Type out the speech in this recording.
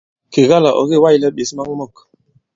Kèga là ɔ̀ kê wa᷇slɛ ɓěs maŋ mɔ̂k.